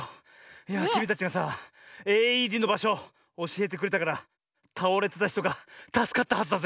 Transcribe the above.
いやきみたちがさＡＥＤのばしょおしえてくれたからたおれてたひとがたすかったはずだぜ。